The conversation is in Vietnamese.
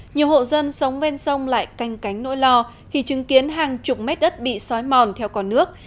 nhiều hộ dân sống ven sông lại canh cánh nỗi lo khi chứng kiến hàng chục mét đất bị xói mòn theo cỏ nước